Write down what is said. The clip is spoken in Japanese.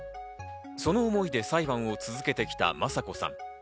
その思いで裁判を続けてきた雅子さん。